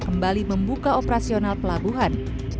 kembali membuka operasional pelabuhan